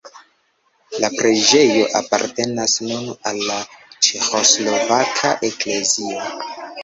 La preĝejo apartenas nun al la Ĉeĥoslovaka eklezio.